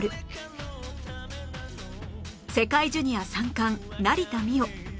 世界ジュニア３冠成田実生